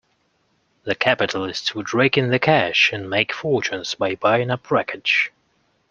The capitalists would rake in the cash, and make fortunes by buying up wreckage.